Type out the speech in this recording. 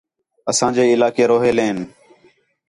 اساں جے علاقے روہیلے ہین